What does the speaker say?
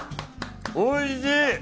おいしい！